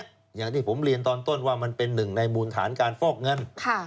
อย่างที่ผมเรียนตอนต้นว่ามันเป็นหนึ่งในมูลฐานการฟอกเงิน